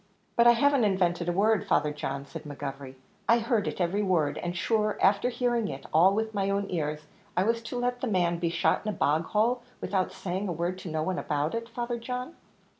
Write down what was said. "But I haven't invented a word, Father John," said McGovery; "I heard it every word; and shure, afther hearing it all with my own ears, was I to let the man be shot into a bog hole, without saying a word to no one about it, Father John?"